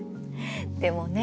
でもね